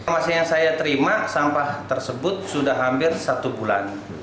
masanya saya terima sampah tersebut sudah hampir satu bulan